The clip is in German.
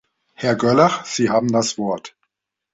Herr Görlach, Sie haben das Wort.